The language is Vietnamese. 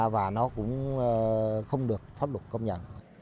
và nó cũng không được pháp luật công nhận